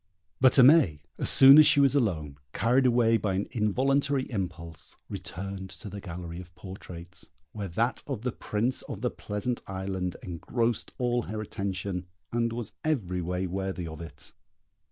But Aimée, as soon as she was alone, carried away by an involuntary impulse, returned to the gallery of portraits, where that of the Prince of the Pleasant Island engrossed all her attention, and was every way worthy of it.